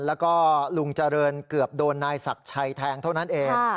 แล้วก็ลุงเจริญเกือบโดนนายศักดิ์ชัยแทงเท่านั้นเอง